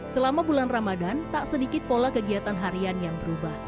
selama bulan ramadan tak sedikit pola kegiatan harian yang berubah